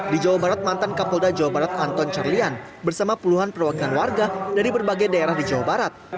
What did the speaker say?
di jawa barat mantan kapolda jawa barat anton carlian bersama puluhan perwakilan warga dari berbagai daerah di jawa barat